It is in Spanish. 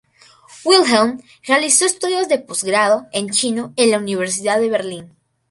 Wilhelm realizó estudios de postgrado en chino en la Universidad de Berlín.